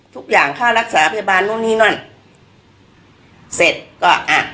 ทุกอย่างค่ารักษาพยาบาลนู่นนี่นั่นเสร็จก็อ่ะ